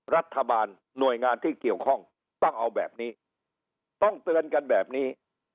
รัฐบาลหน่วยงานที่เกี่ยวข้องต้องเอาแบบนี้ต้องเตือนกันแบบนี้